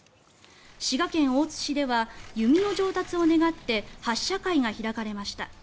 滋賀県大津市では弓の上達を願って初射会が開かれました。